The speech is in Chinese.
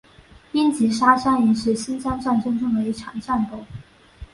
英吉沙战役是新疆战争中的一场战斗。